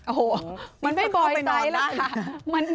โอ้โหมันไม่บอยซ์ไซส์แล้วค่ะ